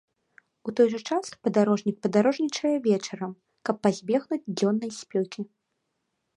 У той жа час падарожнік падарожнічае вечарам, каб пазбегнуць дзённай спёкі.